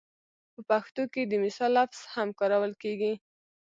په پښتو کې د مثال لفظ هم کارول کېږي